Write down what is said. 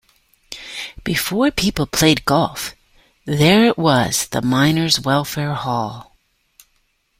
Before people played golf there it was the Miners' Welfare Hall.